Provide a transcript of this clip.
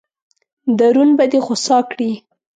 درون به دې خوسا کړي.